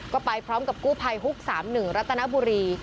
ก็ไปพร้อมกับกู้ภัยฮุก๓๑รัตนบุรี